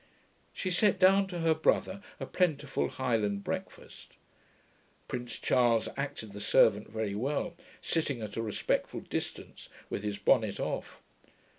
She set down to her brother a plentiful Highland breakfast. Prince Charles acted the servant very well, sitting at a respectful distance, with his bonnet off.